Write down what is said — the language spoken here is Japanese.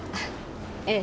ええ。